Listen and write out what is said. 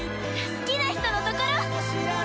好きな人のところ。